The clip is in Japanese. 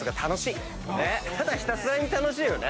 ただひたすらに楽しいよね。